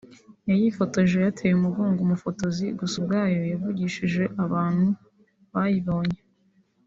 yayifotoje yateye umugongo umufotozi gusa ubwayo yavugishije abantu bayibonye